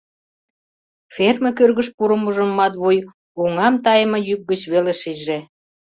Ферме кӧргыш пурымыжым Матвуй оҥам тайыме йӱк гыч веле шиже.